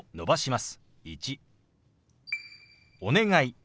「お願い」。